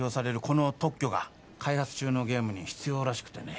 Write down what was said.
この特許が開発中のゲームに必要らしくてね